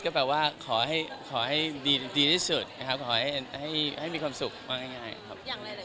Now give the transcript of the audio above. ก็แปลว่าขอให้ดีที่สุดขอให้มีความสุขมากง่ายครับ